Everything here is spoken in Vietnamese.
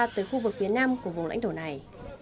tới khu vực phía nam của vùng lãnh thổ này